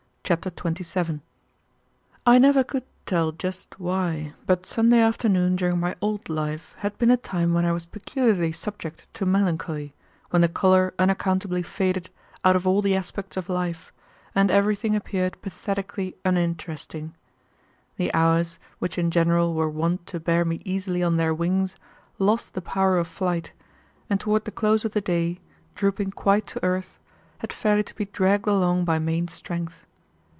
Chapter 27 I never could tell just why, but Sunday afternoon during my old life had been a time when I was peculiarly subject to melancholy, when the color unaccountably faded out of all the aspects of life, and everything appeared pathetically uninteresting. The hours, which in general were wont to bear me easily on their wings, lost the power of flight, and toward the close of the day, drooping quite to earth, had fairly to be dragged along by main strength.